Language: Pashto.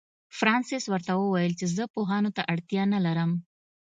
فرانسس ورته وویل چې زه پوهانو ته اړتیا نه لرم.